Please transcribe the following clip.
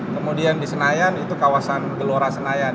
kemudian di senayan itu kawasan gelora senayan